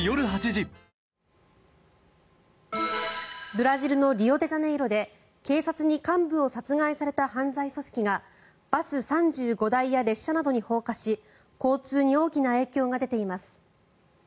ブラジルのリオデジャネイロで警察に幹部を殺害された犯罪組織がバス３５台や列車などに放火し交通に大きな影響が出ています。